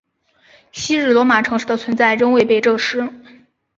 昔日罗马城市的存在仍未被证实。